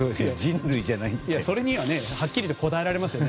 それにははっきりと答えらえますよね